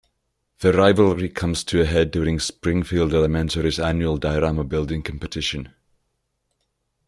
Their rivalry comes to a head during Springfield Elementary's annual diorama building competition.